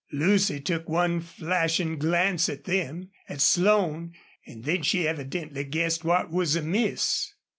Lucy took one flashing glance at them, at Slone, and then she evidently guessed what was amiss.